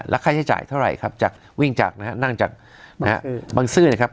ค่าใช้จ่ายเท่าไหร่ครับจากวิ่งจากนะฮะนั่งจากนะฮะบังซื้อนะครับ